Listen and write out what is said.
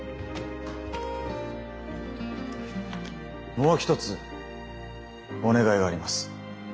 もう一つお願いがあります。